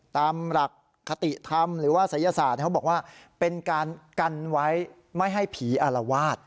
ตามหลักคติธรรมหรือว่าศัยศาสตร์เขาบอกว่าเป็นการกันไว้ไม่ให้ผีอารวาส